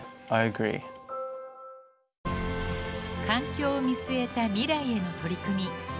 環境を見据えた未来への取り組み